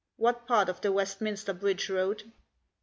What part of the Westminster Bridge Road?"